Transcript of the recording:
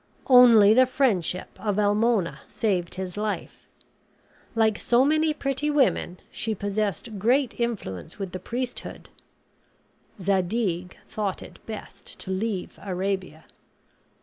Only the friendship of Almona saved his life. Like so many pretty women, she possessed great influence with the priesthood. Zadig thought it best to leave Arabia.